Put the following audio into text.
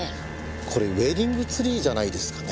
これウェディングツリーじゃないですかね？